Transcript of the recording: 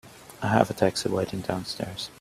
I have a taxi waiting downstairs.